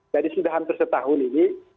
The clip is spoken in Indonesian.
jadi sudah hampir setahun ini